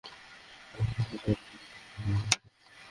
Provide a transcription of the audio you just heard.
কিন্তু কাল বিকেলে কোচের কাছে ছুটি নিয়ে বিকেএসপির ক্যাম্প ছাড়েন এমিলি।